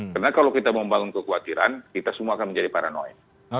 karena kalau kita membangun kekhawatiran kita semua akan menjadi paranoid